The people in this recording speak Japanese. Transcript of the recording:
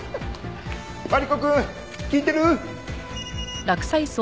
マリコくん聞いてる？